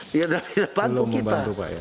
dia sudah tidak bantu kita